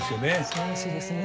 そうらしいですね。